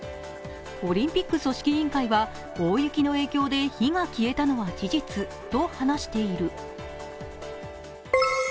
オリンピック組織委員会は大雪の影響で火が消えたのは事実と話している。